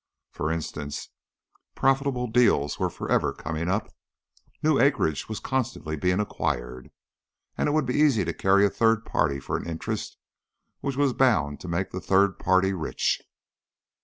For instance, profitable deals were forever coming up, new acreage was constantly being acquired, and it would be easy to carry a third party for an interest which was bound to make that third party rich.